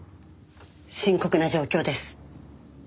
深刻な状況です。